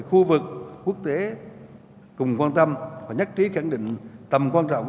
khu vực quốc tế cùng quan tâm và nhất trí khẳng định tầm quan trọng